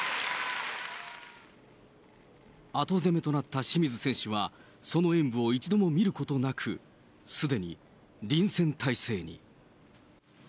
後攻めとなった清水選手は、その演武を一度も見ることなく、すでに臨戦態勢に。